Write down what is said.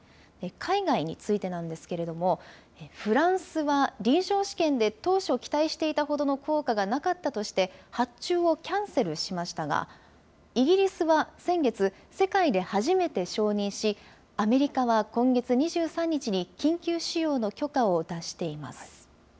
海外についてなんですけれども、フランスは臨床試験で、当初期待していたほどの効果がなかったとして、発注をキャンセルしましたが、イギリスは先月、世界で初めて承認し、アメリカは今月２３日に緊急使用の許可を出しています。